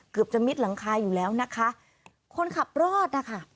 เกือบจะมิดหลังคาอยู่แล้วนะคะคนขับรอดนะคะ